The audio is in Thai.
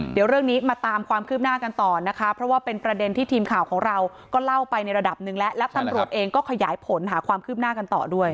เดี๋ยวเรื่องนี้มาตามความคืบหน้ากันต่อนะคะเพราะว่าเป็นประเด็นที่ทีมข่าวของเราก็เล่าไปในระดับหนึ่งแล้วและตำรวจเองก็ขยายผลหาความคืบหน้ากันต่อด้วย